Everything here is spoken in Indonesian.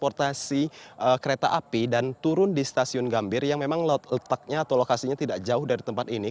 transportasi kereta api dan turun di stasiun gambir yang memang letaknya atau lokasinya tidak jauh dari tempat ini